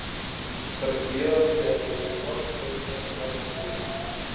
Se recibió de agrimensor en la Universidad Nacional del Sur.